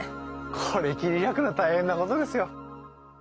これ切り開くの大変なことですよ。